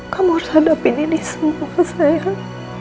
kamu harus hadapin ini semua sayang